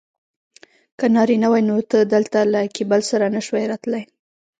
که نارینه وای نو ته دلته له کیبل سره نه شوای راتلای.